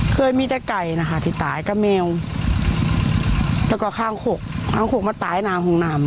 เคยมีแต่ไก่นะคะที่ตายกับแมวแล้วก็ข้างหกข้างหกมาตายหน้าห้องน้ำ